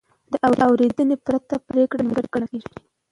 د اورېدنې پرته پرېکړه نیمګړې ګڼل کېږي.